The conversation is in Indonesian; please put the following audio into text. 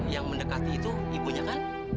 yang mendekati itu ibunya kan